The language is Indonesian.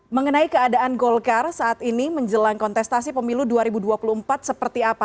mengenai keadaan golkar saat ini menjelang kontestasi pemilu dua ribu dua puluh empat seperti apa